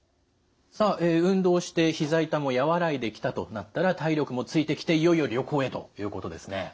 さあ運動してひざ痛も和らいできたとなったら体力もついてきていよいよ旅行へということですね。